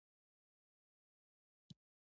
دا يو حقيقت دی چې ټولنيزې بدۍ خورېږي.